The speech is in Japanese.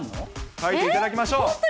書いていただきましょう。